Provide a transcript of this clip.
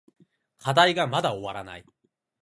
課題がまだ終わらない。